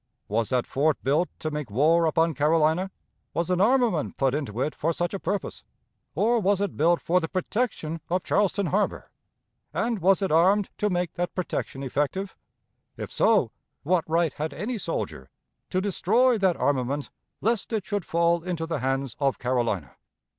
Was that fort built to make war upon Carolina? Was an armament put into it for such a purpose? Or was it built for the protection of Charleston Harbor; and was it armed to make that protection effective? If so, what right had any soldier to destroy that armament lest it should fall into the hands of Carolina?